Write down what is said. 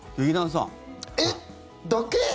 えっ、だけ？